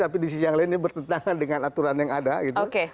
tapi di sisi yang lain ini bertentangan dengan aturan yang ada gitu